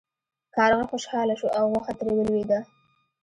کارغه خوشحاله شو او غوښه ترې ولویده.